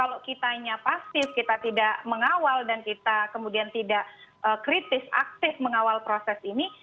kalau kitanya pasif kita tidak mengawal dan kita kemudian tidak kritis aktif mengawal proses ini